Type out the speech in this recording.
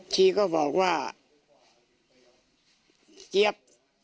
ชีก็บอกว่าเจี๊ยบ